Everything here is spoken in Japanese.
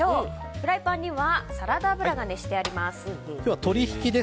フライパンにはサラダ油が熱してあります。